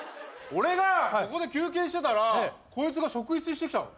俺がここで休憩してたらこいつが職質してきたの。